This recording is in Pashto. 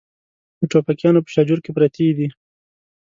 د ټوپکیانو په شاجور کې پرتې دي.